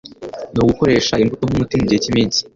ni ugukoresha imbuto nk’umuti mu gihe cy’iminsi